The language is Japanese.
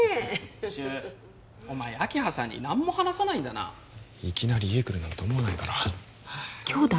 柊お前明葉さんに何も話さないんだないきなり家来るなんて思わないから兄弟！？